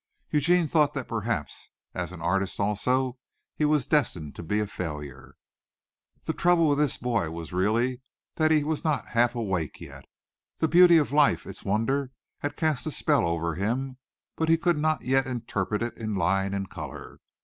Eugene thought that perhaps as an artist also, he was destined to be a failure. The trouble with this boy was really that he was not half awake yet. The beauty of life, its wonder, had cast a spell over him, but he could not yet interpret it in line and color.